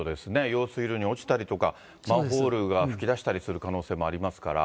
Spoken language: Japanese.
用水路に落ちたりとか、マンホールが噴き出したりする可能性もありますから。